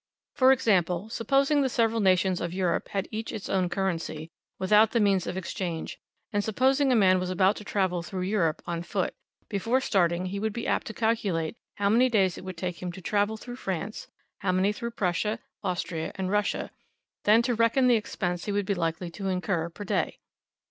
For example, supposing the several nations of Europe had each its own currency, without the means of exchange, and supposing a man was about to travel through Europe on foot, before starting he would be apt to calculate how many days it would take him to travel through France; how many through Prussia, Austria, and Russia, then to reckon the expense he would be likely to incur per day.